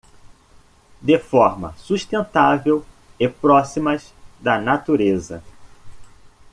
de forma sustentável e próximas da natureza.